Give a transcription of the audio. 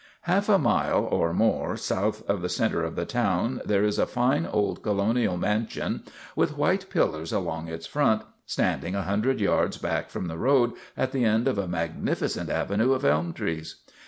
Half a mile or more south of the center of the town there is a fine old Colonial mansion with white pillars along its front, standing a hundred yards back from the road at the end of a magnificent ave nue of elm trees.